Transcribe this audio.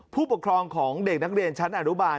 ผู้ปกครองของเด็กนักเรียนชั้นอนุบาล